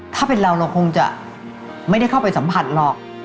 ถ้าเป็นเราเราคงจะไม่ได้เข้าไปสัมผัสหรอก